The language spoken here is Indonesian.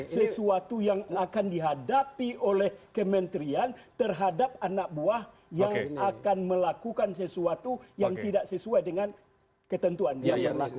sesuatu yang akan dihadapi oleh kementerian terhadap anak buah yang akan melakukan sesuatu yang tidak sesuai dengan ketentuan yang berlaku